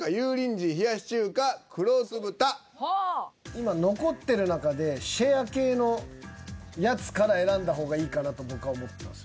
今残ってる中でシェア系のやつから選んだ方がいいかなと僕は思ってます。